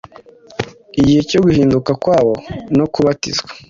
Igihe cyo guhinduka kwabo no kubatizwa,